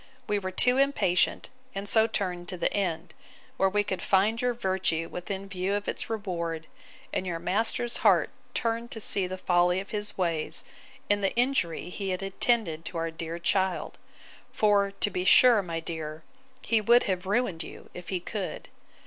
We were too impatient, and so turned to the end; where we find your virtue within view of its reward, and your master's heart turned to see the folly of his ways, and the injury he had intended to our dear child: For, to be sure, my dear, he would have ruined you, if he could.